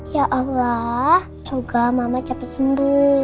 ya allah semoga mama cepet sembuh